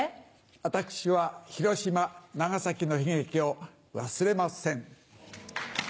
私は広島長崎の悲劇を忘れません。